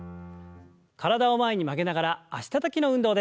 体を前に曲げながら脚たたきの運動です。